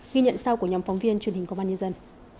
ghi nhận sau của nhóm phóng viên truyền hình công an nhân dân